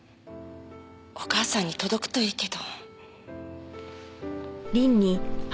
お母さんに届くといいけど。